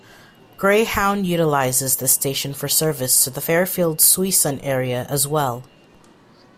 Greyhound utilizes this station for service to the Fairfield-Suisun area as well.